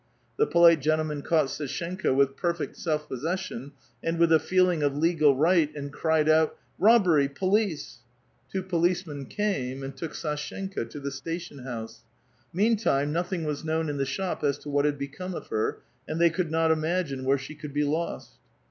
The polite gentleman caught S&shenka with perfect self possession, and with a feeling of legal right, and cried out, "Robbery! police!" Two pohcemen came and took Sdshenka to the station house. Meantime, nothing was known in tlie shop as to what had become of her, and they could not imagine where she could be lost.